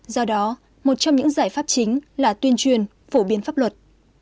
do đó một trong những giải pháp chính là tuyên truyền phổ biến pháp luật